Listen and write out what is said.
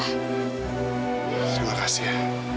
terima kasih ya